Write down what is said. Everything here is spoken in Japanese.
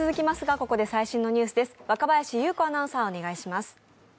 ここで最新のニュースです。